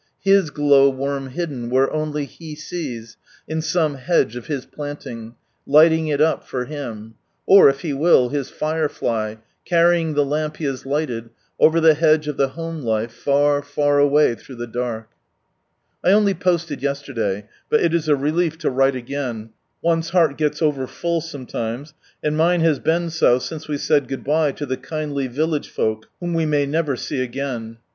His Glow worm hidden where only He sees, in some hedge of His planting, hghting it up for Him ; or if He will, His Fire fly, carrying the iamp He has lighted, over the hedge of the home life, far far away through the I only posted yesterday, but it is a relief to write again, one's heart gets over full 1 mine has been so since we said good bye to the kindly village folk whom we may never see again.